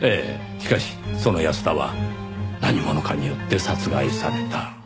しかしその安田は何者かによって殺害された。